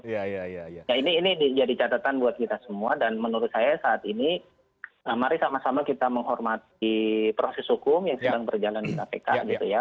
ya ini jadi catatan buat kita semua dan menurut saya saat ini mari sama sama kita menghormati proses hukum yang sedang berjalan di kpk gitu ya